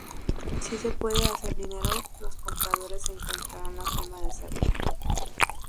Si se puede hacer dinero, los compradores encontrarán la forma de hacerlo.